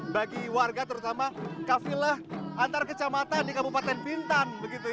bagi warga terutama kafilah antar kecamatan di kabupaten bintan